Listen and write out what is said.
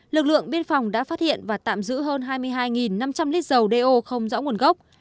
lực lượng biên phòng đã phát hiện và tạm giữ hơn hai mươi hai năm trăm linh lít dầu đeo không rõ nguồn gốc